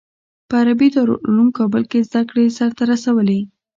په عربي دارالعلوم کابل کې زده کړې سر ته رسولي.